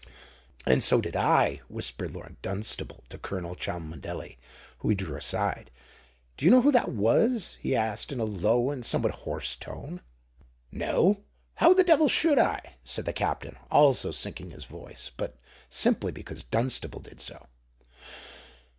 "And so did I," whispered Lord Dunstable to Colonel Cholmondeley, whom he drew aside. "Do you know who that was?" he asked in a low and somewhat hoarse tone. "No: how the devil should I?" said the Captain, also sinking his voice—but simply because Dunstable did so.